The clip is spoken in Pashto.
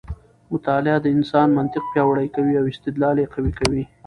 مطالعه د انسان منطق پیاوړی کوي او استدلال یې قوي کوي.